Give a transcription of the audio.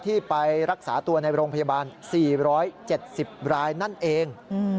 ที่ไปรักษาตัวในโรงพยาบาล๔๗๐รายนั่นเอง